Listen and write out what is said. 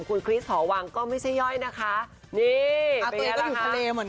คุณคริสหอวังก็ไม่ใช่ย่อยนะคะนี่อาตัวเองก็อยู่ทะเลเหมือนกัน